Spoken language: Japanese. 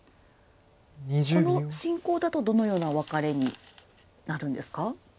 この進行だとどのようなワカレになるんですか？